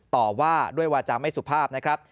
ต่อว่าด้วยวาจาไม่สุภาพนะครับ